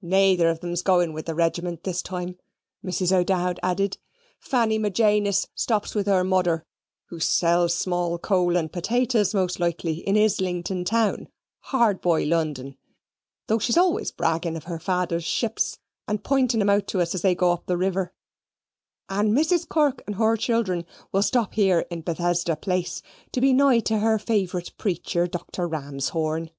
Nayther of 'em's goin' with the regiment this time," Mrs. O'Dowd added. "Fanny Magenis stops with her mother, who sells small coal and potatoes, most likely, in Islington town, hard by London, though she's always bragging of her father's ships, and pointing them out to us as they go up the river: and Mrs. Kirk and her children will stop here in Bethesda Place, to be nigh to her favourite preacher, Dr. Ramshorn.